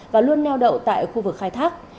và luôn neo đậu tại khu vực khai thác